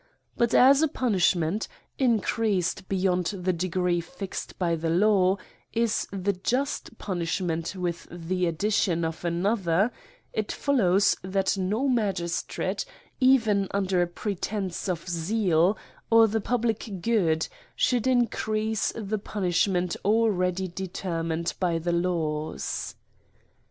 But as a punishment, increased beyond the degree fixed by the law, is the just punishment with the addition of another, it follows that no magistrate, even under a pre tence of zeal, or the public good, should increase the punishment already determined by the laws.